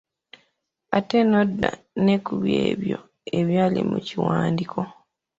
Ate n'odda ne ku ebyo ebyali mu kiwandiko.